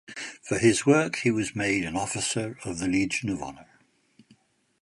For his work he was made an Officer of the Legion of Honour.